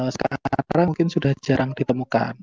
sekarang mungkin sudah jarang ditemukan